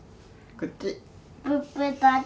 こっち！